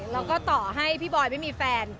แล้วก็ต่อให้พี่บอยไม่มีแฟน